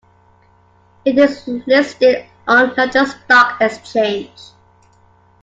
It is listed on London Stock Exchange.